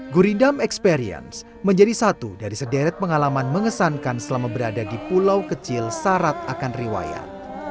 gurindam experience menjadi satu dari sederet pengalaman mengesankan selama berada di pulau kecil syarat akan riwayat